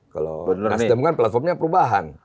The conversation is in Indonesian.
kalau nasdem kan platformnya perubahan